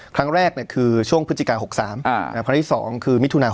ครั้งแรกคือช่วงพฤศจิกา๖๓ครั้งที่๒คือมิถุนา๖